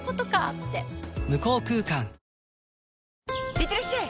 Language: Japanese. いってらっしゃい！